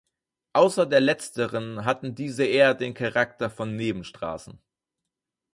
Außer der letzteren hatten diese eher den Charakter von Nebenstraßen.